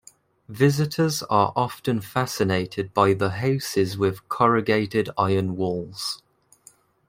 Visitors are often fascinated by the houses with corrugated iron walls.